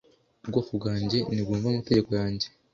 uBwoko bwanjye nimwumve amategeko yanjye